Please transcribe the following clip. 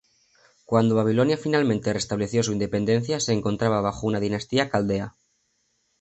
Cuando Babilonia finalmente restableció su independencia, se encontraba bajo una dinastía caldea.